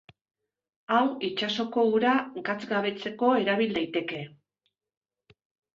Hau itsasoko ura gatzgabetzeko erabil daiteke.